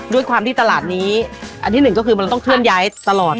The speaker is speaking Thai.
ด้วยความที่ตลาดนี้อันที่หนึ่งก็คือมันต้องเคลื่อนย้ายตลอด